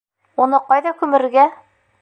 Уны ҡайҙа күмергә?